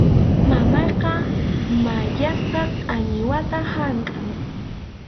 Mamayqa mayllasqa qañiwata hamkʼan.